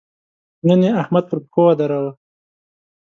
نن يې احمد پر پښو ودراوو.